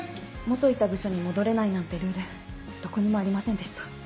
元いた部署に戻れないなんてルールどこにもありませんでした。